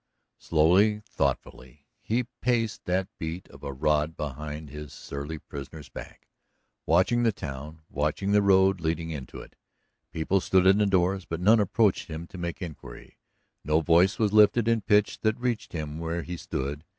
Slowly, thoughtfully, he paced that beat of a rod behind his surly prisoner's back, watching the town, watching the road leading into it. People stood in the doors, but none approached him to make inquiry, no voice was lifted in pitch that reached him where he stood.